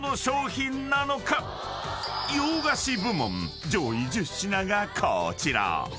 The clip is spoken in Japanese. ［洋菓子部門上位１０品がこちら］